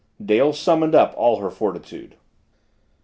Dale summoned all her fortitude.